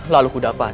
lalu ku dapat